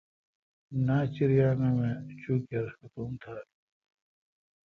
ناچریانو اں چوکیر ختم تھال۔